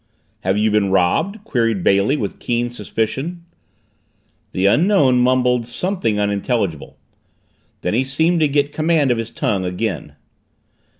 "Have you been robbed?" queried Bailey with keen suspicion. The Unknown mumbled something unintelligible. Then he seemed to get command of his tongue again.